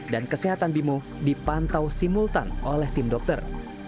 dan kesehatan bimo dipantau simultan oleh tim dokter